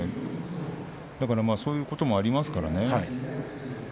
そういうこともありますからね。